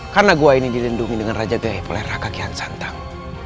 karena gua ini dilindungi dengan raja gai polera kakihan santang